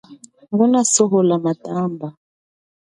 Nguna sohola matamba.